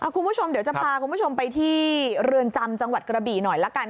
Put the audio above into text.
คุณผู้ชมเดี๋ยวจะพาคุณผู้ชมไปที่เรือนจำจังหวัดกระบี่หน่อยละกัน